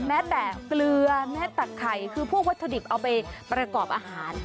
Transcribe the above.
แม้แต่เกลือแม้ตักไข่คือพวกวัตถุดิบเอาไปประกอบอาหาร